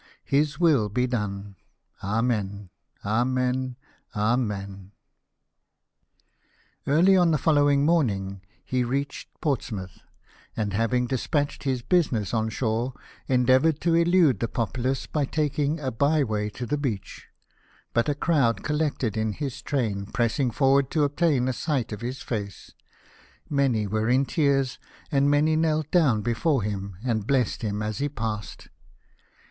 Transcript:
His will be done ! Amen ! Amen ! Amen !" Early on the following morning he reached Ports mouth ; and, having despatched his business on shore, endeavoured to elude the populace by taking a by way to the beach ; but a crowd collected in his . train, pressing forward to obtain a sight of his face — many were in tears, and many knelt do^vn before him, and blessed him as he passed.